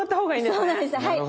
そうなんですはい。